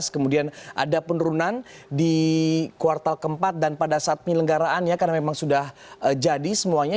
kemudian ada penurunan di kuartal keempat dan pada saat penyelenggaraan ya karena memang sudah jadi semuanya